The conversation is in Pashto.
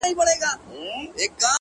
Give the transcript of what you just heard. ما يادوه چي له چينې سره خبرې کوې;